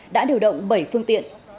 đã điều động bảy phương tiện